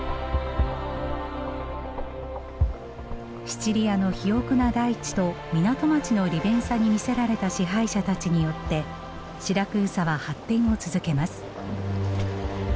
シチリアの肥沃な大地と港町の利便さに魅せられた支配者たちによってシラクーサは発展を続けます。